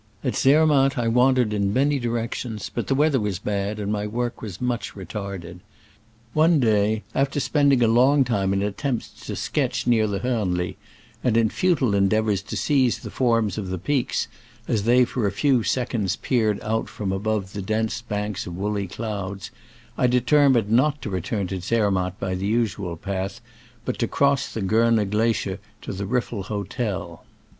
At Zermatt I wandered in many di rections, but the weather was bad and my work was much retarded. One day, after spending a long time in attempts to sketch near the Hornli, and in futile endeavors to seize the forms of the peaks as they for a few seconds peered out from above the dense banks of woolly clouds, I determined not to re turn to Zermatt by the usual path, but to cross the Corner glacier to the Riffel hotel.